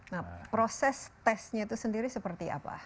nah proses tesnya itu sendiri seperti apa